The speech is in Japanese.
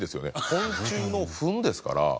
昆虫のフンですから。